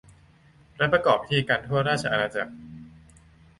และประกอบพิธีกันทั่วราชอาณาจักร